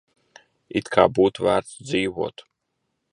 It kā būtu vērts dzīvot.